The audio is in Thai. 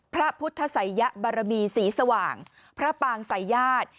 พระพุทธไสยะบรมีศรีสว่างพระปางไสยาทร์